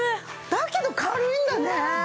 だけど軽いんだね！